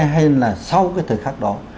hay là sau cái thời khắc đó